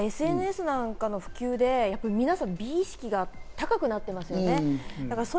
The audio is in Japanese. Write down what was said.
ＳＮＳなんかの普及で美意識が皆さん高くなってますね。